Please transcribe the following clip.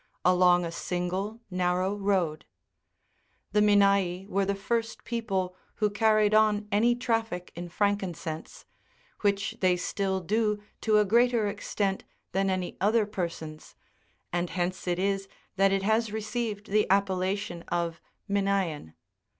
125 Minaei were the first people who carried on any traffic in frankincense, which they still do to a greater extent than any other persons, and hence it is that it has received the appella tion of " MinaBan."